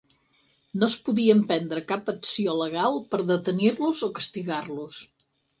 No es podia emprendre cap acció legal per detenir-los o castigar-los.